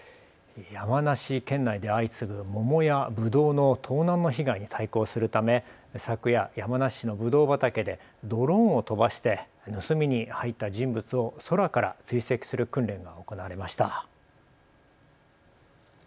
山梨県内で相次ぐ桃やぶどうの盗難被害に対抗するため昨夜、山梨のぶどう畑でドローンを飛ばして盗みに入った人物を空から追跡する訓練が行われました。